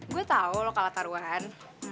gue tau lo kalau taruhan